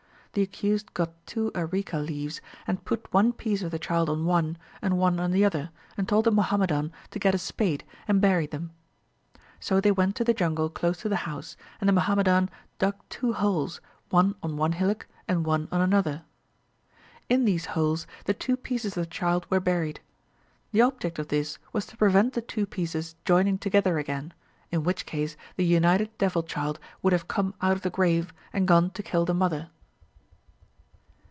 The accused got two areca leaves, and put one piece of the child on one, and one on the other, and told the Muhammadan to get a spade, and bury them. So they went to the jungle close to the house, and the Muhammadan dug two holes, one on one hillock, and one on another. In these holes, the two pieces of the child were buried. The object of this was to prevent the two pieces joining together again, in which case the united devil child would have come out of the grave, and gone to kill the mother.